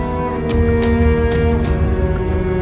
ว่าเราบริสุทธิ์